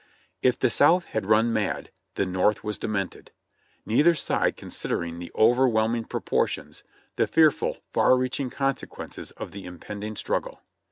' If the South had run mad, the North was demented ; neither side considering the overwhelming proportions, the fearful, far reaching consequences of the impending struggle.